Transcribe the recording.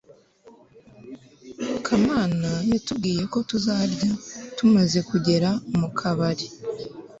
kamana yatubwiye ko tuzarya tumaze kugera mu kabari